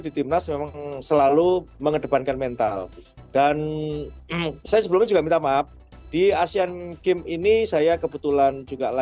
di timnas selalu mengedepankan mental dan saya sebelumnya juga minta maaf di asean kim ini saya kebetulan juga lagi ada tugas ke dinas